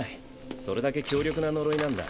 それだけ強力な呪いなんだ。